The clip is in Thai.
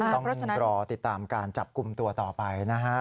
ต้องรอติดตามการจับกลุ่มตัวต่อไปนะฮะ